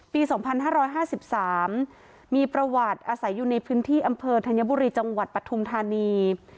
ปี๒๕๕๓มีประวัติอาศัยอยู่ในพื้นที่อำเภอธัญบุรีจังหวัดปฐุมธานี